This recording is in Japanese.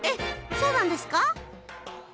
そうなんですか？